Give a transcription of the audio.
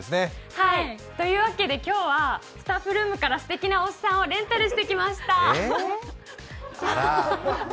はい、というわけで、今日はスタッフルームからすてきなおっさんを呼ばれてきました。